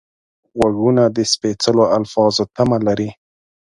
غوږونه د سپېڅلو الفاظو تمه لري